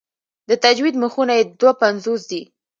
د تجوید مخونه یې دوه پنځوس دي.